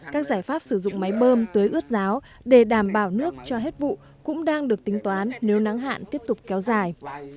các giải pháp sử dụng máy bơm tưới ướt ráo để đảm bảo nước cho hết vụ cũng đang được tính toán nếu nắng hạn tiếp tục kéo dài